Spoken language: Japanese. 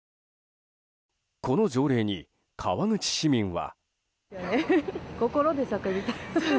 この条例に川口市民は。